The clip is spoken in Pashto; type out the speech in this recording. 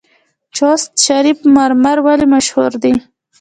چشت شریف مرمر ولې مشهور دي؟